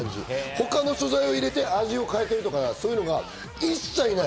他の素材で味を変えてるとか、そういうのが一切ない。